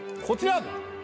こちら！